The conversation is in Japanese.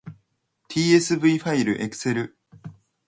tsv ファイルエクセル